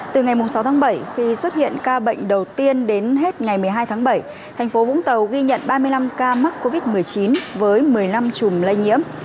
từ ngày sáu tháng bảy khi xuất hiện ca bệnh đầu tiên đến hết ngày một mươi hai tháng bảy thành phố vũng tàu ghi nhận ba mươi năm ca mắc covid một mươi chín với một mươi năm chùm lây nhiễm